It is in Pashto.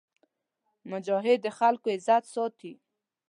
مجاهد د خلکو عزت ساتي.